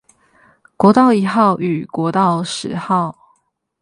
國道一號與國道十號